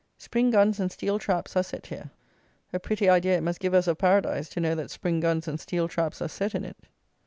Spring guns and steel traps are set here." A pretty idea it must give us of Paradise to know that spring guns and steel traps are set in it!